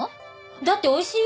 だっておいしいよ。